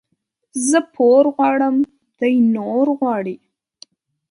زه پور غواړم ، دى نور غواړي.